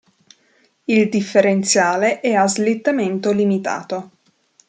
Il differenziale è a slittamento limitato.